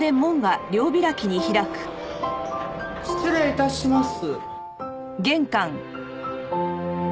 失礼致します。